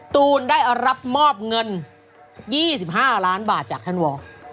ตูนได้รับมอบเงิน๒๕ล้านบาทจากท่านวอร์